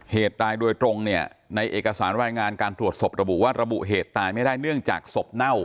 เหตุตายโดยตรงเนี่ยในเอกสารรายงานการตรวจศพระบุว่าระบุเหตุตายไม่ได้เนื่องจากศพเน่า